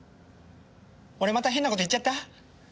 俺また変なこと言っちゃった？